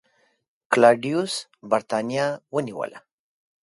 کلاډیوس برېټانیا ونیوله